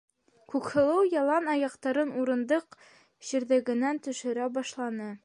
- Күкһылыу ялан аяҡтарын урындыҡ ширҙегенән төшөрә башланы.